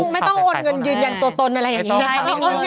ไม่ต้องโอนเงินยืนยันตัวตนอะไรอย่างนี้นะคะ